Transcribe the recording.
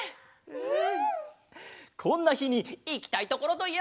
うん。